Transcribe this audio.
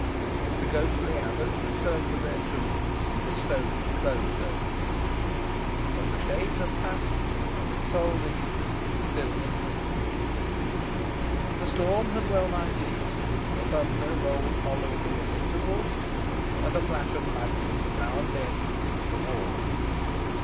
The ghostly abbots returned to their tombs, and the stones closed over them. But the shades of Paslew and Isole de Heton still lingered. The storm had wellnigh ceased, the thunder rolled hollowly at intervals, and a flash of lightning now and then licked the walls.